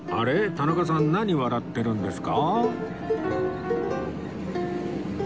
田中さん何笑ってるんですか？